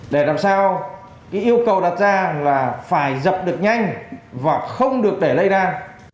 để làm sao cái yêu cầu đặt ra là phải dập được nhanh và không được để lây lan